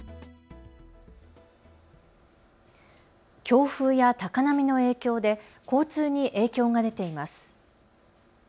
強風や高波の影響で交通に影響が出ています。